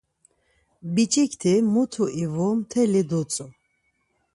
Biç̌ikti mutu ivu mteli dutzu.